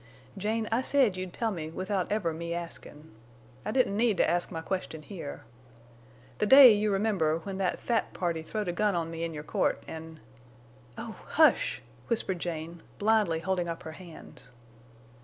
Jane, I said you'd tell me without ever me askin'. I didn't need to ask my question here. The day, you remember, when that fat party throwed a gun on me in your court, an'—" "Oh! Hush!" whispered Jane, blindly holding up her hands.